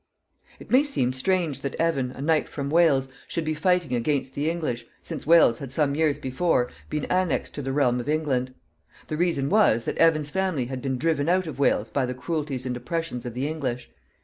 It may seem strange that Evan, a knight from Wales, should be fighting against the English, since Wales had some years before been annexed to the realm of England. The reason was, that Evan's family had been driven out of Wales by the cruelties and oppressions of the English.